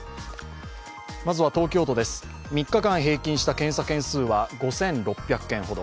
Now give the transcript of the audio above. まずは東京都です、３日間平均した検査件数は５６００件ほど。